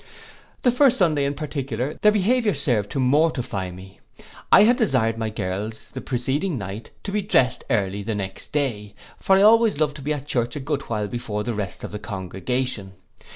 The first Sunday in particular their behaviour served to mortify me: I had desired my girls the preceding night to be drest early the next day; for I always loved to be at church a good while before the rest of the congregation.